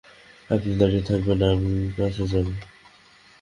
আপনি দাঁড়িয়ে থাকবেন, আমি কাছে যাব?